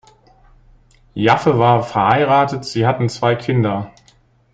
Jaffe war verheiratet, sie hatten zwei Kinder.